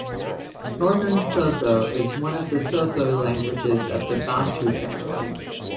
Northern Sotho is one of the Sotho languages of the Bantu family.